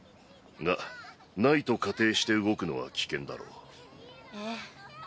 がないと仮定して動くのは危険だろうええ。